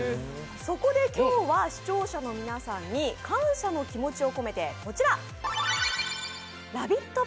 そこで今日は、視聴者の皆さんに感謝の気持ちを込めてこちらラヴィット！